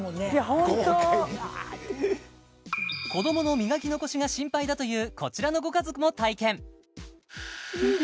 ワーって豪快に子供の磨き残しが心配だというこちらのご家族も体験